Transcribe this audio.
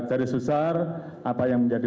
secara susah apa yang menjadi